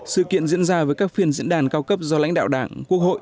sự kiện diễn ra với các phiên diễn đàn cao cấp do lãnh đạo đảng quốc hội